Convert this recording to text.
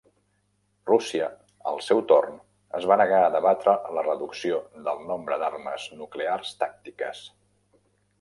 Rússia, al seu torn, es va negar a debatre la reducció del nombre d'armes nuclears tàctiques.